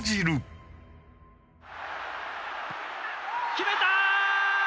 決めたー！